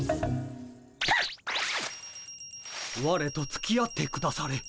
われとつきあってくだされ。